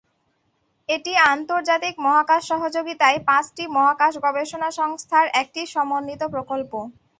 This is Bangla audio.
এটি আন্তর্জাতিক মহাকাশ সহযোগিতায় পাঁচটি মহাকাশ গবেষণা সংস্থার একটি সমন্বিত প্রকল্প।